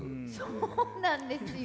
そうなんですよ。